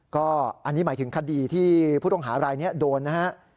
ก็อันนี้หมายถึงคดีที่ผู้ต้องหารายนี้โดนนะฮะ